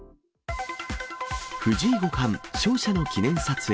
藤井五冠、勝者の記念撮影。